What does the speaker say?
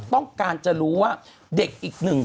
คุณหนุ่มกัญชัยได้เล่าใหญ่ใจความไปสักส่วนใหญ่แล้ว